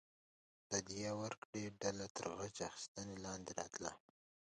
د دیه ورکړې ډله تر غچ اخیستنې لاندې راتله.